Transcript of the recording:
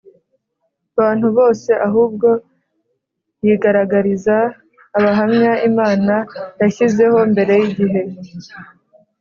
bantu bose ahubwo yigaragariza abahamya Imana yashyizeho mbere y igihe